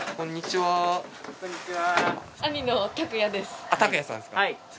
はい。